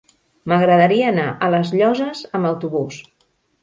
M'agradaria anar a les Llosses amb autobús.